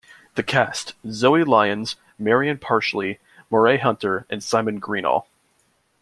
The cast: Zoe Lyons, Marian Pashley, Moray Hunter and Simon Greenall.